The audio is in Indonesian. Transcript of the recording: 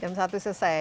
jam satu selesai